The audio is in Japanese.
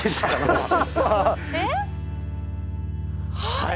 はい。